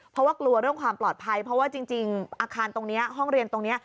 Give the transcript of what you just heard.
เพราะว่ากลัวเรื่องความปลอดภัยเพราะว่าจริงอาคารตรงนี้ห้องเรียนตรงนี้